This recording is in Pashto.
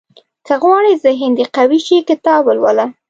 • که غواړې ذهن دې قوي شي، کتاب ولوله.